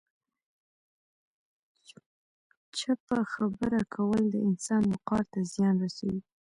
چپه خبره کول د انسان وقار ته زیان رسوي.